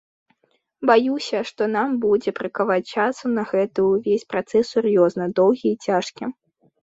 Баюся, што нам будзе бракаваць часу на гэты ўвесь працэс сур'ёзны, доўгі і цяжкі.